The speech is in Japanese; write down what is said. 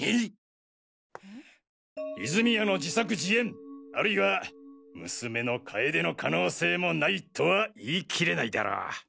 泉谷の自作自演あるいは娘の楓の可能性もないとは言い切れないだろう。